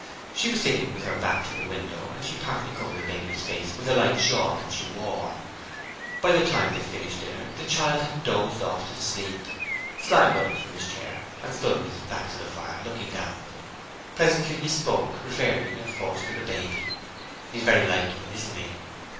She was sitting with her back to the window and she partly covered the baby's face with a light shawl that she wore. By the time they finished dinner the child had dozed off to sleep. Slyme got up from his chair and stood with his back to the fire, looking down at them; presently he spoke, referring, of course, to the baby: 'He's very like you, isn't he?'